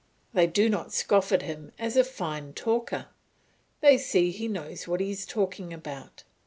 They do not scoff at him as a fine talker, they see he knows what he is talking about.